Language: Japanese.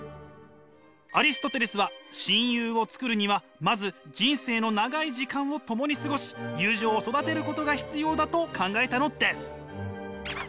アリストテレスは親友を作るにはまず人生の長い時間を共に過ごし友情を育てることが必要だと考えたのです。